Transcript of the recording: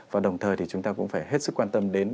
và đồng thời thì chúng ta cũng phải hết sức quan tâm đến